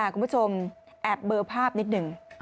คุณผู้ชมแอบเบอร์ภาพนิดหนึ่ง